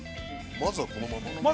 ◆まずはこのまま。